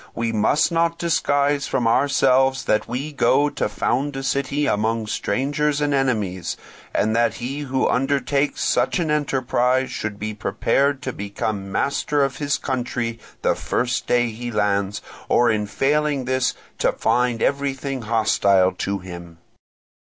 We must not disguise from ourselves that we go to found a city among strangers and enemies, and that he who undertakes such an enterprise should be prepared to become master of the country the first day he lands, or failing in this to find everything hostile to him.